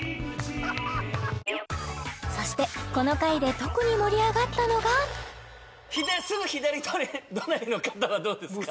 そしてこの回で特に盛り上がったのがすぐ左隣の方はどうですか？